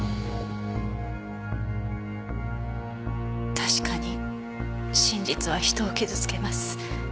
確かに真実は人を傷つけます。